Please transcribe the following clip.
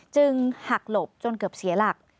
หักหลบจนเกือบเสียหลัก